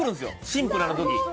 シンプルなとき。